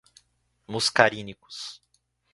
muscarínicos